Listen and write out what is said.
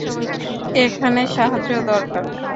এখানে সাহায্য দরকার!